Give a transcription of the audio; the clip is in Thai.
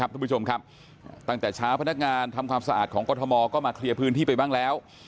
ทุกผู้ชมครับตั้งแต่เช้าพนักงานทำความสะอาดของกรทมก็มาเคลียร์พื้นที่ไปบ้างแล้ว